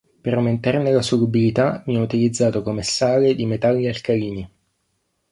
Per aumentarne la solubilità viene utilizzato come sale di metalli alcalini.